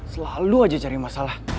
selalu aja cari masalah